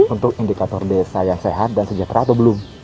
untuk indikator desa yang sehat dan sejahtera atau belum